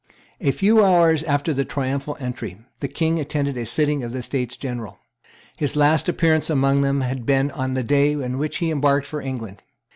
A few hours after the triumphal entry, the King attended a sitting of the States General. His last appearance among them had been on the day on which he embarked for England.